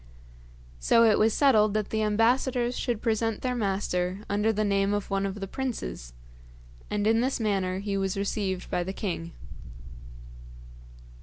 So it was settled that the ambassadors should present their master under the name of one of the princes, and in this manner he was received by the king.